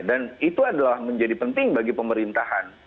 dan itu adalah menjadi penting bagi pemerintahan